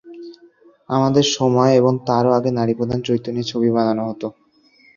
আমাদের সময়ে এবং তারও আগে নারীপ্রধান চরিত্র নিয়ে ছবি বানানো হতো।